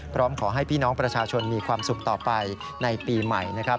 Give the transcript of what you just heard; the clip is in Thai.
พร้อมขอให้พี่น้องประชาชนมีความสุขต่อไปในปีใหม่นะครับ